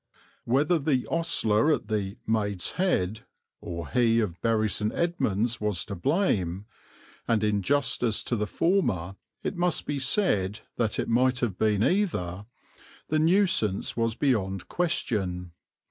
Whether the ostler at the "Maid's Head" or he of Bury St. Edmunds was to blame, and in justice to the former it must be said that it might have been either, the nuisance was beyond question.